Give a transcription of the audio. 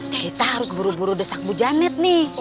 kita harus buru buru desak bu janet nih